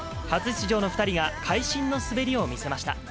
初出場の２人が会心の滑りを見せました。